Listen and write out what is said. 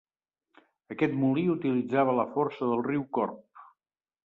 Aquest molí utilitzava la força del riu Corb.